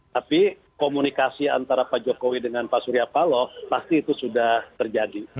tapi komunikasi antara pak jokowi dengan pak surya paloh pasti itu sudah terjadi